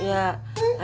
sabar anak ya